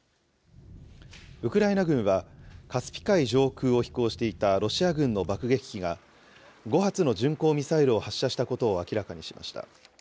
ウクライナ軍は、カスピ海上空を飛行していたロシア軍の爆撃機が、５発の巡航ミサイルを発射したことを明らかにしました。